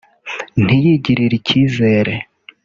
ntiyigirire icyizere